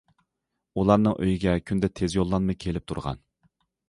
ئۇلارنىڭ ئۆيىگە كۈندە تېز يوللانما كېلىپ تۇرغان.